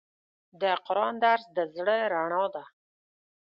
د قرآن درس د زړه رڼا ده.